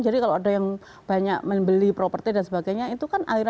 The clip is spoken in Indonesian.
jadi kalau ada yang banyak membeli properti dan sebagainya itu kan aliran